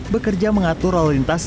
bekerja mengatur lintas